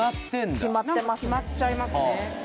決まっちゃいますね